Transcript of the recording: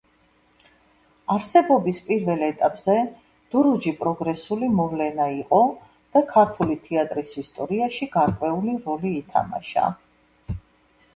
არსებობის პირველ ეტაპზე „დურუჯი“ პროგრესული მოვლენა იყო და ქართული თეატრის ისტორიაში გარკვეული როლი ითამაშა.